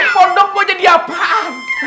ini pondok mau jadi apaan